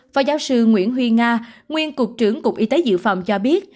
phó giáo sư nguyễn huy nga nguyên cục trưởng cục y tế dự phòng cho biết